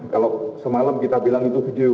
kalau semalam kita bilang itu video